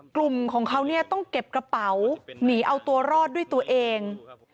กลุ่มของเขาเนี่ยต้องเก็บกระเป๋าหนีเอาตัวรอดด้วยตัวเอง